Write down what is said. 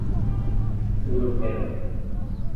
Urupema